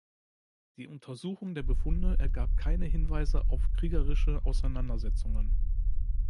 Die Untersuchung der Befunde ergab keine Hinweise auf kriegerische Auseinandersetzungen.